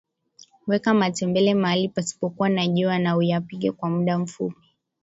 weka matembele mahali pasipokuwa na jua na uyapike kwa muda mfupi